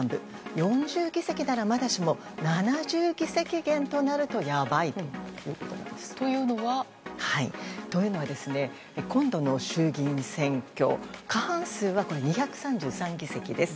４０議席ならまだしも７０議席減となるとというのは？というのは、今度の衆議院選挙過半数が２３３議席です。